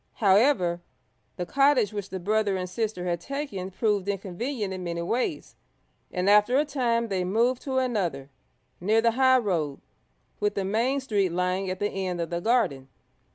However, the cottage which the brother and sister had taken proved inconvenient in many ways, and after a time they moved to another, near the high road, with the main street lying at the end of the garden.